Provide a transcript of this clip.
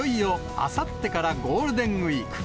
あさってからゴールデンウィーク。